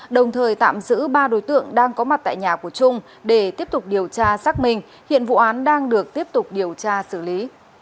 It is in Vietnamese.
đồng thời tạm giữ ba đối tượng đang có mặt tại nhà của trung để tiếp tục điều tra xác minh hiện vụ án đang được tiếp tục điều tra xử lý